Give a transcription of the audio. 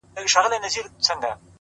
• چي لېوه دی که ګیدړ خدای په خبر دی ,